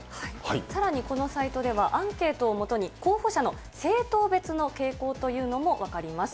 さらにこのサイトでは、アンケートをもとに候補者の政党別の傾向というのも分かります。